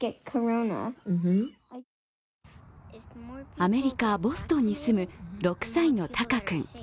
アメリカ・ボストンに住む６歳の鷹君。